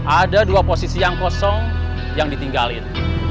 ada dua posisi yang kosong yang ditinggalin